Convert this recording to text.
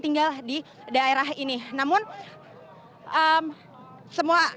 tinggal di daerah ini namun semua baik pihak